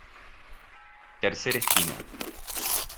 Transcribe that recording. Tercer Esquina.